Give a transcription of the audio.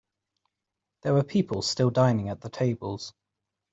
There were people still dining at the tables.